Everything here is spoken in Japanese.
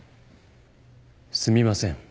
すみません。